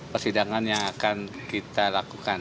persidangan yang akan kita lakukan